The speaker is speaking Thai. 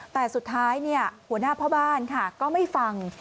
แต่สุดท้ายหัวหน้าพ่อบ้านค่ะก็ไม่ฟัง